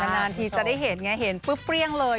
นานทีจะได้เห็นไงเห็นปุ๊บเปรี้ยงเลย